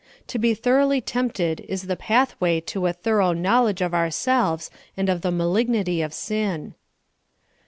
To be thoroughly tempted is the pathwa}^ to a thorough knowledge of ourselves and of the malignity of sin.